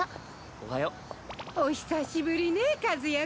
おはよ。お久しぶりね和也君。